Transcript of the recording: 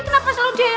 kenapa selalu demo